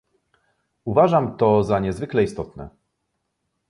Uważam to za niezwykle istotne